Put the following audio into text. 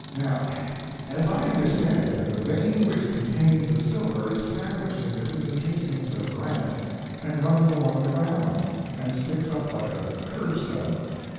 Now, as I understand it, the vein which contains the silver is sandwiched in between casings of granite, and runs along the ground, and sticks up like a curb stone.